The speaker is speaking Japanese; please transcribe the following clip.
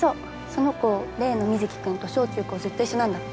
その子例の水城君と小中高ずっと一緒なんだって。